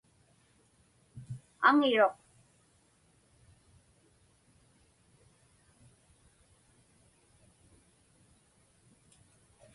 Aŋiruq.